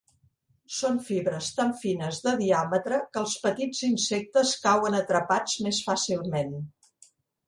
Són fibres tan fines de diàmetre que els petits insectes cauen atrapats més fàcilment.